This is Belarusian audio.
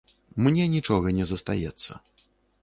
Мне нічога не застаецца.